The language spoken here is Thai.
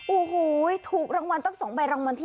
โอ้โหถูกรางวัลตั้ง๒ใบรางวัลที่๑